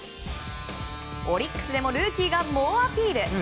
オリックスでもルーキーが猛アピール。